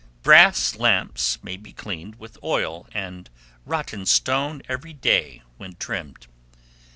Brass lamps may be cleaned with oil and rottenstone every day when trimmed.